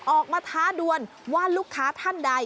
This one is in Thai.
ออกมาท้าดวนว่าลูกค้าท่านใด